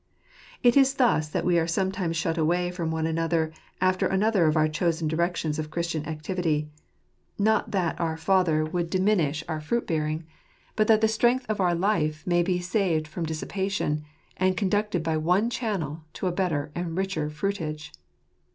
It is thus that we are sometimes shut away from one after another of our chosen directions of Christian activity : not that our Father would diminish our 158 t ferret cf JFruit fulness. fruit bearing, but that the strength of our life may be saved from dissipation, and conducted by one channel to a better and richer fruitage.